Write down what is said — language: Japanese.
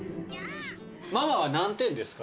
ママは何点ですか？